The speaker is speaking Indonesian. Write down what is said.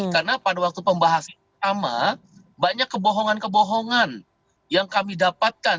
karena pada waktu pembahasan pertama banyak kebohongan kebohongan yang kami dapatkan